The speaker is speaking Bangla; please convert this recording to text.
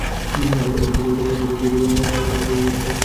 আমরা এ বিষয়ে ঐতিহাসিক জুরজী যায়দানের একটি অভিমতের বিরোধিতা করি।